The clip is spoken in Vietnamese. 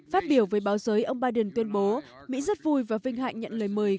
phát biểu với báo giới ông biden tuyên bố mỹ rất vui và vinh hạnh nhận lời mời